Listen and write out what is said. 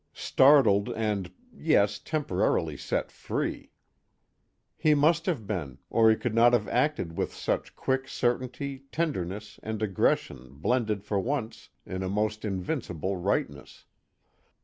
Startled and yes, temporarily set free. He must have been, or he could not have acted with such quick certainty, tenderness and aggression blended for once in a most invincible rightness.